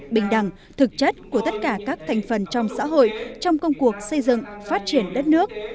bình đẳng thực chất của tất cả các thành phần trong xã hội trong công cuộc xây dựng phát triển đất nước